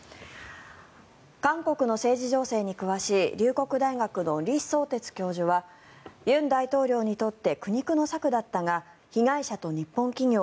韓国の政治情勢に詳しい龍谷大学の李相哲教授は尹大統領にとって苦肉の策だったが被害者と日本企業